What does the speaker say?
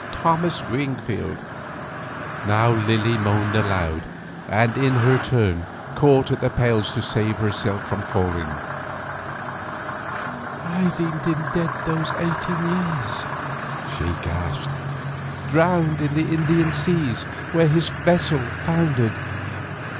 "Thomas Wingfield." Now Lily moaned aloud, and in her turn caught at the pales to save herself from falling. "I deemed him dead these eighteen years," she gasped; "drowned in the Indian seas where his vessel foundered."